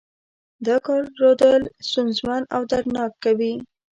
دا کار رودل ستونزمن او دردناک کوي.